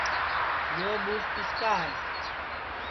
یو ٻوٹ کِس کا ہے